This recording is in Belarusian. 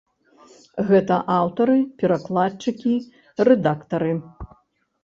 Гэта аўтары, перакладчыкі, рэдактары.